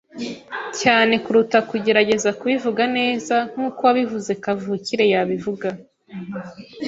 cyane kuruta kugerageza kubivuga neza nkuko uwabivuze kavukire yabivuga.